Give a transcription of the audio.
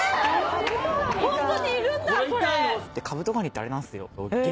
カブトガニってあれなんすよ。